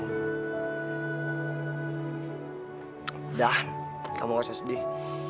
udah kamu gak usah sedih